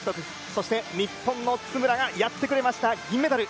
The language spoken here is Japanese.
そして日本の津村がやってくれました銀メダル。